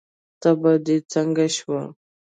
تبه دې څنګه شوه؟